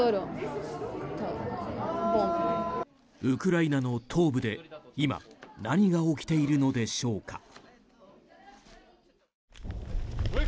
ウクライナの東部で今何が起きているのでしょうか。